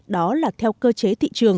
đó là theo cơ chế